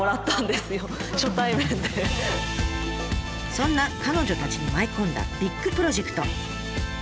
そんな彼女たちに舞い込んだビッグプロジェクト。